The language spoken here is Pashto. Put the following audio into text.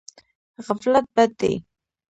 غفلت بد دی.